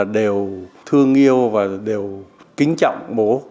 đều thương yêu và đều kính trọng bố